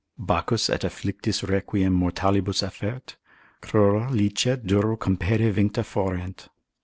Bacchus et afflictis requiem mortalibus affert, Crura licet duro compede vincta forent.